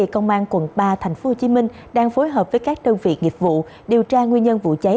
công an quận ba tp hcm đang phối hợp với các đơn vị nghiệp vụ điều tra nguyên nhân vụ cháy